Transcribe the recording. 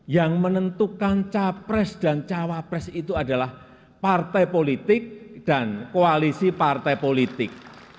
yang menentukan capres dan cawapres itu adalah partai politik dan koalisi partai politik